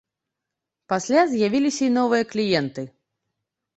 Пасля з'явіліся і новыя кліенты.